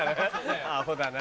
アホだな。